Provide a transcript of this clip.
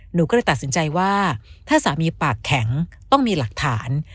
หนูก็เลยตัดสินใจว่าถ้าสามีปากแข็งต้องมีหลักฐาน